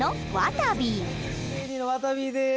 わたびです。